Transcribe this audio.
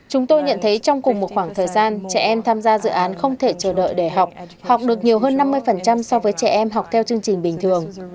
chúng tôi nhận thấy trong cùng một khoảng thời gian trẻ em tham gia dự án không thể chờ đợi để học học được nhiều hơn năm mươi so với trẻ em học theo chương trình bình thường